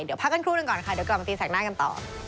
เดี๋ยวพักกันครู่หนึ่งก่อนค่ะเดี๋ยวกลับมาตีแสกหน้ากันต่อ